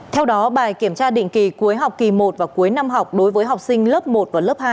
theo đó bài kiểm tra định kỳ cuối học kỳ một và cuối năm học đối với học sinh lớp một và lớp hai